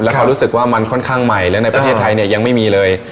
เขารู้สึกว่ามันค่อนข้างใหม่และในประเทศไทยเนี่ยยังไม่มีเลย